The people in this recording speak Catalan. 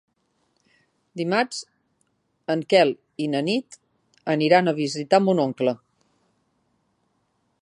Dimarts en Quel i na Nit aniran a visitar mon oncle.